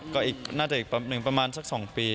ก็อีกน่าจะอีกปั๊มหนึ่งประมาณสักสองปี